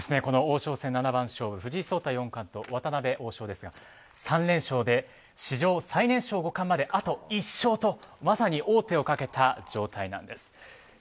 王将戦七番勝負藤井聡太四冠と渡辺王将ですが３連勝で史上最年少五冠まであと１勝とまさに王手をかけた状態なんです。